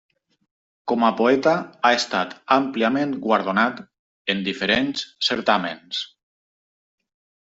Com a poeta ha estat àmpliament guardonat en diferents certàmens.